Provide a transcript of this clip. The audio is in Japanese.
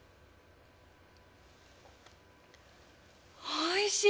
おいしい！